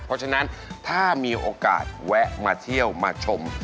เพราะฉะนั้นถ้ามีโอกาสแวะมาเที่ยวมาชม